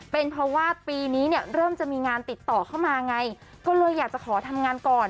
เป็นเพราะว่าปีนี้เนี่ยเริ่มจะมีงานติดต่อเข้ามาไงก็เลยอยากจะขอทำงานก่อน